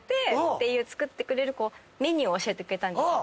ていう作ってくれるこうメニューを教えてくれたんですよ。